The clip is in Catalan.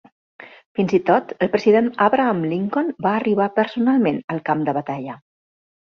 Fins i tot el president Abraham Lincoln va arribar personalment al camp de batalla.